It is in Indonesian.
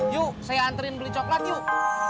yuk saya antri beli coklat yuk